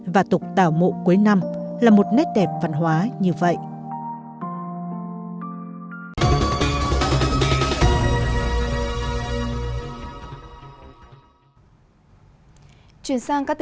và tục tàu mộ cuối năm là một nét đẹp văn hóa như vậy